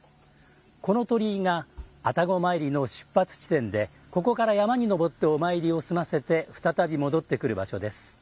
この鳥居が愛宕詣りの出発地点でここから山に登ってお詣りを済ませて再び戻ってくる場所です。